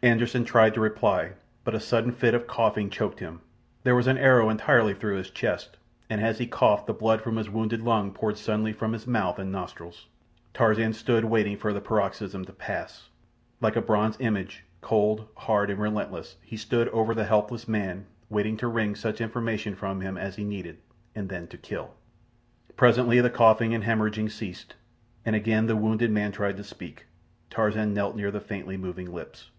Anderssen tried to reply, but a sudden fit of coughing choked him. There was an arrow entirely through his chest, and as he coughed the blood from his wounded lung poured suddenly from his mouth and nostrils. Tarzan stood waiting for the paroxysm to pass. Like a bronze image—cold, hard, and relentless—he stood over the helpless man, waiting to wring such information from him as he needed, and then to kill. Presently the coughing and haemorrhage ceased, and again the wounded man tried to speak. Tarzan knelt near the faintly moving lips.